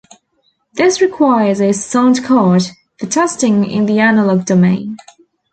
This requires a sound card, for testing in the analog domain.